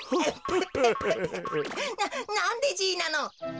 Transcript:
ななんでじいなの？